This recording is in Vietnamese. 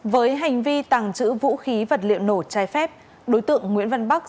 với hành vi tàng trữ vũ khí vật liệu nổ trái phép đối tượng nguyễn văn bắc